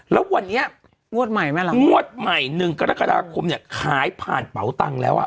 แล้ววันนี้งวดใหม่ไหมล่ะงวดใหม่๑กรกฎาคมเนี่ยขายผ่านเป๋าตังค์แล้วอ่ะ